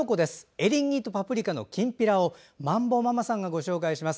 エリンギとパプリカのきんぴらをまんぼママさんがご紹介します。